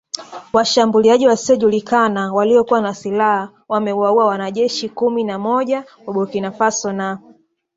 Washambuliaji wasiojulikana waliokuwa na silaha wamewaua wanajeshi klumi na moja wa Burkina Faso na